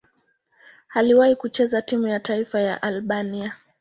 Aliwahi kucheza timu ya taifa ya Albania.